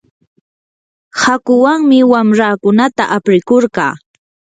hakuwanmi wamraakunata aprikurqaa.